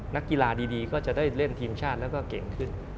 นักกีฬาดีก็จะได้เล่นทีมชาติแล้วก็เก่งขึ้น